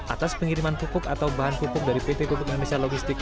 atas pengiriman pupuk atau bahan pupuk dari pt pupuk indonesia logistik